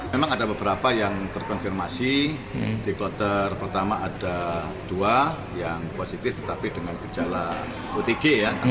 memang ada beberapa yang terkonfirmasi di kloter pertama ada dua yang positif tetapi dengan gejala otg ya